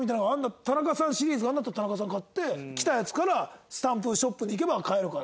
田中さんシリーズがあるんだったら「田中さん」買ってきたやつからスタンプショップに行けば買えるから。